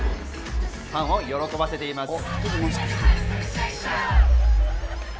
ファンを喜ばせています。